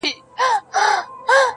دایمي ژوندون!